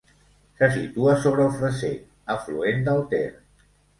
Se situa sobre el Freser, afluent del Ter.